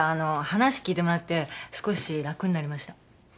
話聞いてもらって少し楽になりました。